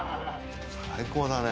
最高だね。